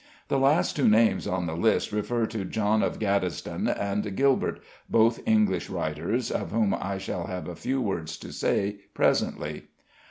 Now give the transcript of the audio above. The last two names on the list refer to John of Gaddesden and Gilbert, both English writers, of whom I shall have a few words to say presently.